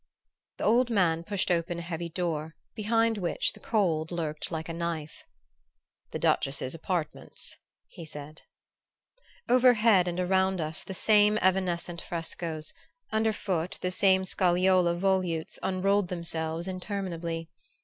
The old man pushed open a heavy door, behind which the cold lurked like a knife. "The Duchess's apartments," he said. Overhead and around us the same evanescent frescoes, under foot the same scagliola volutes, unrolled themselves interminably.